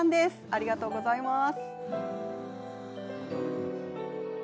ありがとうございます。